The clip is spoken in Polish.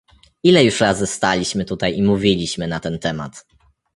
Ile już razy staliśmy tutaj i mówiliśmy na ten temat?